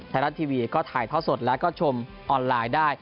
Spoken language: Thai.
ไทยรัฐทีวีก็ถ่ายท่อสดแล้วก็ชมออนไลน์ได้